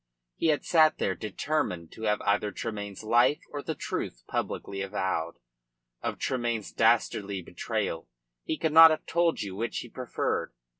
He had sat there determined to have either Tremayne's life or the truth, publicly avowed, of Tremayne's dastardly betrayal. He could not have told you which he preferred.